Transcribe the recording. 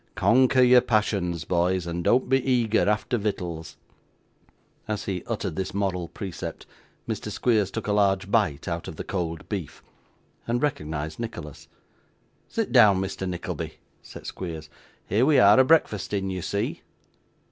Conquer your passions, boys, and don't be eager after vittles.' As he uttered this moral precept, Mr. Squeers took a large bite out of the cold beef, and recognised Nicholas. 'Sit down, Mr. Nickleby,' said Squeers. 'Here we are, a breakfasting you see!